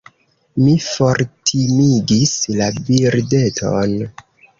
Mi fortimigis la birdeton.